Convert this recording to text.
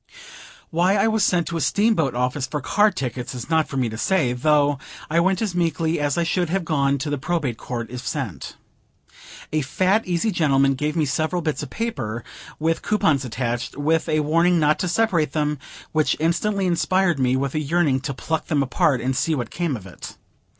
Why I was sent to a steamboat office for car tickets, is not for me to say, though I went as meekly as I should have gone to the Probate Court, if sent. A fat, easy gentleman gave me several bits of paper, with coupons attached, with a warning not to separate them, which instantly inspired me with a yearning to pluck them apart, and see what came of it.